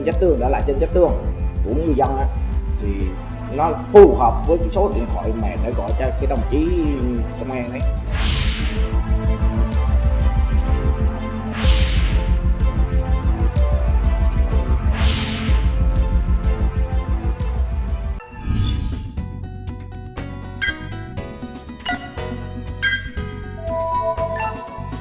giác tường của người dân đó thì nó phù hợp với số điện thoại mà nó gọi cho cái đồng chí công an đấy